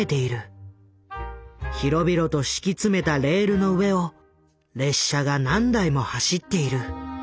広々と敷き詰めたレールの上を列車が何台も走っている。